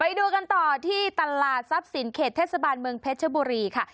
ไปดูกันต่อที่ตลาดทรัพย์สินเขตเทศบาลเมืองเพชรบุรีค่ะ